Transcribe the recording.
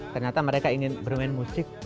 ternyata mereka ingin bermain musik